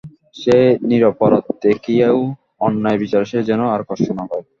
সে নিরপরাধ– দেখিয়ো অন্যায় বিচারে সে যেন আর কষ্ট না পায়।